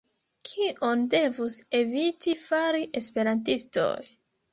Kion devus eviti fari esperantistoj?